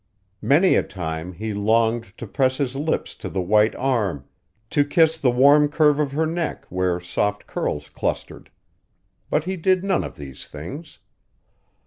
Many a time he longed to press his lips to the white arm, to kiss the warm curve of her neck where soft curls clustered. But he did none of these things.